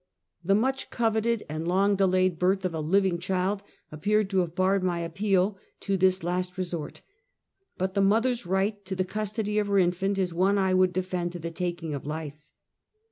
The much coveted and long delayed birth of a living child appeared to have barred my appeal to this last resort, but the mother's right to the custody of her infant is one I would defend to the taking of life.